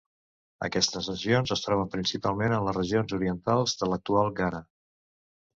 Aquestes nacions es troben principalment en les regions orientals de l'actual Ghana.